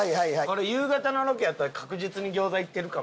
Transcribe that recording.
これ夕方のロケやったら確実に餃子いってるかもしれん。